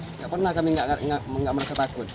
tidak pernah kami tidak merasa takut